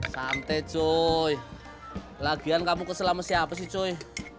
santai coy lagian kamu kesel sama siapa sih coy